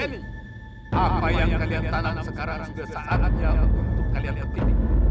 yeni apa yang kalian tanam sekarang sudah saatnya untuk kalian ketik